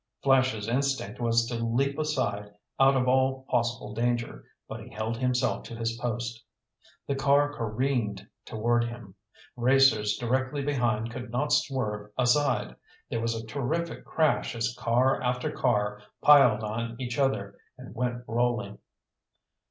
Flash's instinct was to leap aside out of all possible danger, but he held himself to his post. The car careened toward him. Racers directly behind could not swerve aside. There was a terrific crash as car after car piled on each other and went rolling.